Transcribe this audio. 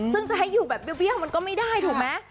ซึ่งจะให้อยู่แบบเบี้ยวมันก็ไม่ได้ถูกไหม